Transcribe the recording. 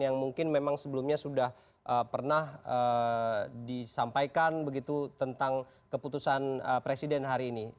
yang mungkin memang sebelumnya sudah pernah disampaikan begitu tentang keputusan presiden hari ini